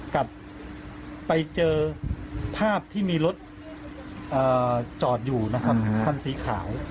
กลับไปเจอภาพที่มีรถจอดอยู่ความสีขาว